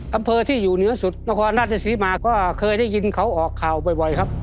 อำเภอที่อยู่เหนือสุดนครราชศรีมาก็เคยได้ยินเขาออกข่าวบ่อยครับ